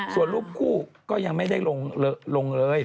ส่วนรูปคู่ก็ยังไม่ได้ลงเลย